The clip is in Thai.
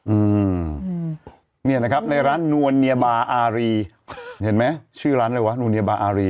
อืมเนี่ยนะครับในร้านนวลเนียบาอารีเห็นไหมชื่อร้านอะไรวะนวเนียบาอารี